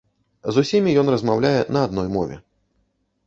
З усімі ён размаўляе на адной мове.